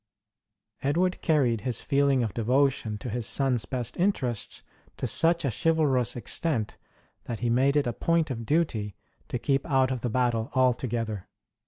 Edward carried his feeling of devotion to his son's best interests to such a chivalrous extent that he made it a point of duty to keep out of the battle altogether.